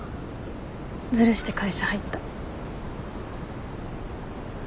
ずるして会社入った。